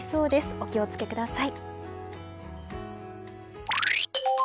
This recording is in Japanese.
お気を付けください。